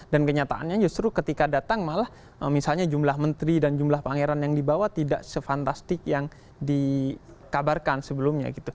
dan kenyataannya justru ketika datang malah misalnya jumlah menteri dan jumlah pangeran yang dibawa tidak se fantastik yang dikabarkan sebelumnya